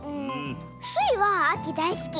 スイはあきだいすき。